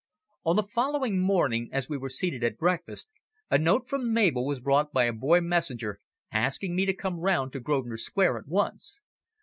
On the following morning, as we were seated at breakfast, a note from Mabel was brought by a boy messenger, asking me to come round to Grosvenor Square at once.